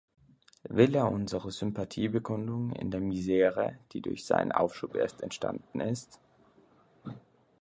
Will er unsere Sympathiebekundung in der Misere, die durch seinen Aufschub erst entstanden ist?